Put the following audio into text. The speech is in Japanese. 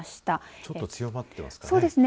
ちょっと強まってますかね。